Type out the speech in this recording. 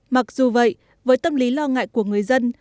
mặc dù vậy với tâm lý lo ngại của người dân